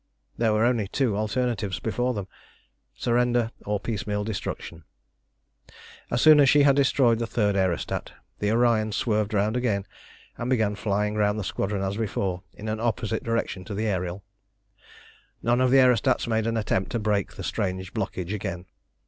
There were only two alternatives before them surrender or piecemeal destruction. As soon as she had destroyed the third aerostat, the Orion swerved round again, and began flying round the squadron as before in an opposite direction to the Ariel. None of the aerostats made an attempt to break the strange blockage again.